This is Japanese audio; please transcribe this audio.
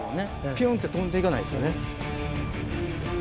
ピュンって飛んでいかないですよね。